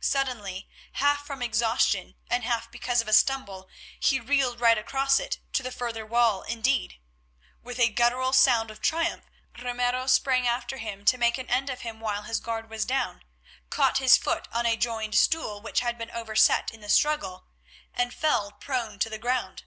Suddenly, half from exhaustion and half because of a stumble, he reeled right across it, to the further wall indeed. With a guttural sound of triumph Ramiro sprang after him to make an end of him while his guard was down, caught his foot on a joined stool which had been overset in the struggle, and fell prone to the ground.